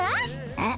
うん。